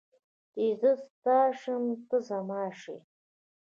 چې زه ستا شم ته زما شې